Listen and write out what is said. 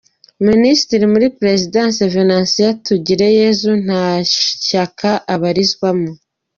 Minisitiri muri Perezidansi, Venantia Tugireyezu Nta shyaka abarizwamo.